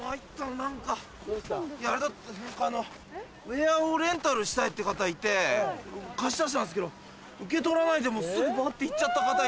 何かウエアをレンタルしたいっていう方がいて貸し出したんですけど受け取らないですぐバって行っちゃった方が。